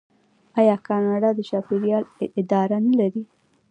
آیا کاناډا د چاپیریال اداره نلري؟